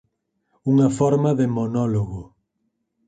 Unha forma de monólogo.